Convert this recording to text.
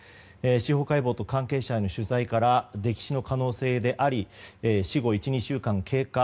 司法解剖と関係者への取材から溺死の可能性であり死後１２週間経過。